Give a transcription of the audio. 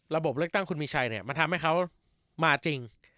ระบบเลือกตั้งคุณมีชัยเนี่ยมันทำให้เขามาจริง